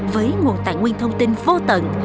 với nguồn tài nguyên thông tin vô tận